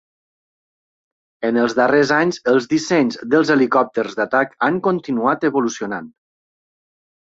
En els darrers anys els dissenys dels helicòpters d'atac han continuat evolucionant.